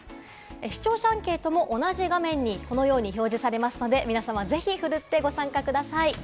視聴者アンケートも同じ画面にこのように表示されますのでぜひ皆さん、奮ってご参加ください。